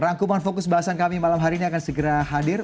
rangkuman fokus bahasan kami malam hari ini akan segera hadir